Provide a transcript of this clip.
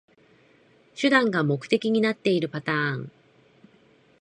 手段が目的になってるパターン